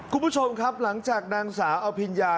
คุณผู้ชมครับหลังจากนางสาวอภิญญา